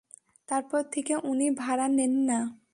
তারপর থেকে উনি ভাড়া নেন না।